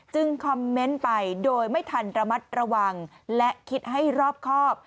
คอมเมนต์ไปโดยไม่ทันระมัดระวังและคิดให้รอบครอบ